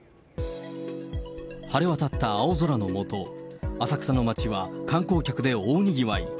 晴れ渡った青空の下、浅草の街は観光客で大にぎわい。